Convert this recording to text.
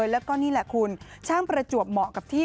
และนี่คุณช่างประจวบเหมาะกับที่